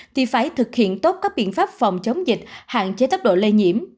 thì phải thực hiện tốt các biện pháp phòng chống dịch hạn chế tốc độ lây nhiễm